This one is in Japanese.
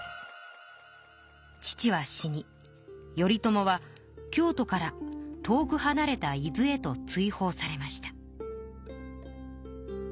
父は死に頼朝は京都から遠くはなれた伊豆へと追放されました。